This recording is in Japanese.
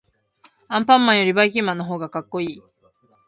アンパンマンよりばいきんまんのほうがかっこいい。